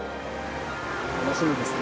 楽しみですね。